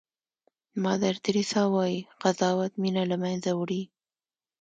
مادر تریسیا وایي قضاوت مینه له منځه وړي.